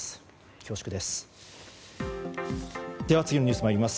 恐縮です。